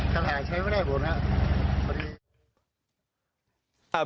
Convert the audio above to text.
ปัญหาใช้ไม่ได้ผลครับ